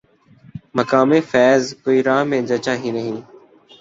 مقام فیضؔ کوئی راہ میں جچا ہی نہیں